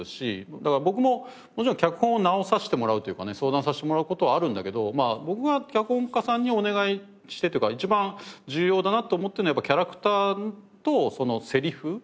だから僕も脚本を直させてもらうというかね相談させてもらう事はあるんだけど僕が脚本家さんにお願いしてというか一番重要だなと思ってるのはやっぱキャラクターとそのセリフ。